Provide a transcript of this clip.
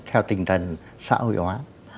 theo tình trạng xã hội hóa